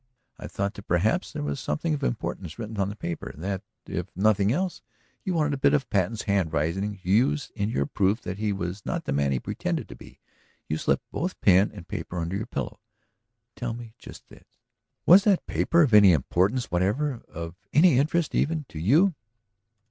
I thought that perhaps there was something of importance written on the paper, that, if nothing else, you wanted a bit of Patten's handwriting to use in your proof that he was not the man he pretended to be. You slipped both pen and paper under your pillow. Tell me just this: Was that paper of any importance whatever, of any interest even, to you?"